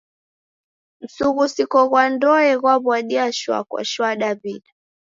Msughusiko ghwa ndoe ghwaida shwa kwa shwa Daw'ida.